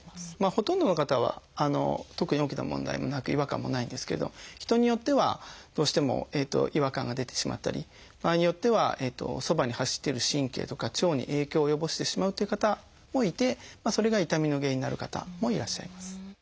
ほとんどの方は特に大きな問題もなく違和感もないんですけど人によってはどうしても違和感が出てしまったり場合によってはそばに走っている神経とか腸に影響を及ぼしてしまうという方もいてそれが痛みの原因になる方もいらっしゃいます。